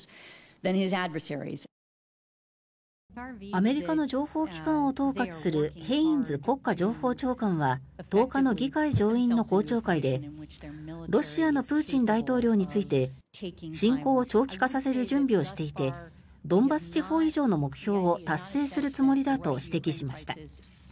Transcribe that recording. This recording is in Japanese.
アメリカの情報機関を統括するヘインズ国家情報長官は１０日の議会上院の公聴会でロシアのプーチン大統領について侵攻を長期化させる準備をしていてドンバス地方以上の目標を達成するつもりだと指摘しました。